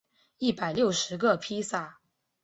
一百六十个披萨